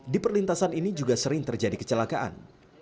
di perlintasan ini juga sering terjadi kecelakaan